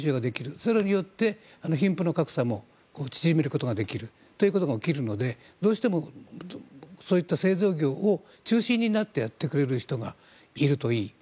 それによって貧富の格差も縮めることが起きるので、どうしても製造業中心になってやってくれる人がいるといい。